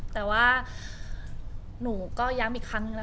แต่ว่าหนูก็ย้ำอีกครั้งนึงแล้ว